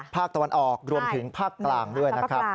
ภาคตะวันออกรวมถึงภาคกลางด้วยนะครับ